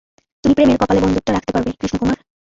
তুমি প্রেমের কপালে, বন্দুকটা রাখতে পারবে, কৃষ্ণা কুমার?